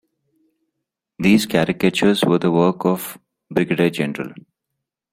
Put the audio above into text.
These caricatures were the work of Brig.-Gen.